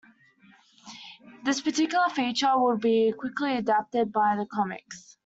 This particular feature would be quickly adapted by the comics.